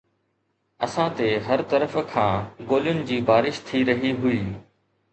اسان تي هر طرف کان گولين جي بارش ٿي رهي هئي